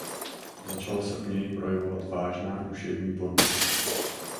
Začala se u něj projevovat vážná duševní porucha.